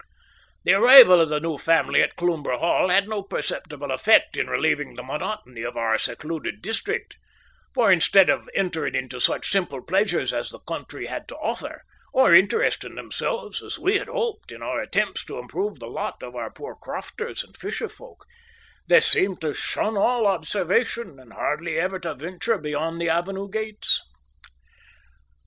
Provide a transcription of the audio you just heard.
The arrival of the new family at Cloomber Hall had no perceptible effect in relieving the monotony of our secluded district, for instead of entering into such simple pleasures as the country had to offer, or interesting themselves, as we had hoped, in our attempts to improve the lot of our poor crofters and fisherfolk, they seemed to shun all observation, and hardly ever to venture beyond the avenue gates.